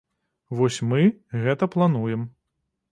Вось мы гэта плануем.